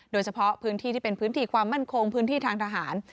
โดยเฉพาะพื้นที่ที่เป็นพื้นที่ความมั่นคงพื้นที่ทางทหาร